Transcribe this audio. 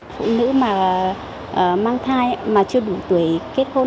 phụ nữ mà mang thai mà chưa đủ tuổi kết hôn